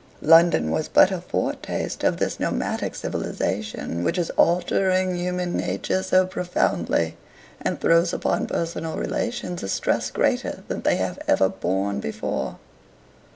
London was but a foretaste of this nomadic civilization which is altering human nature so profoundly, and throws upon personal relations a stress greater than they have ever borne before.